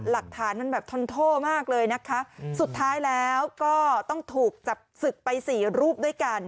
หลักฐานมันแบบทนโทษมากเลยนะคะสุดท้ายแล้วก็ต้องถูกจับศึกไปสี่รูปด้วยกัน